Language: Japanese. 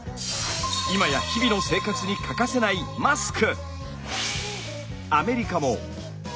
今や日々の生活に欠かせないマスク。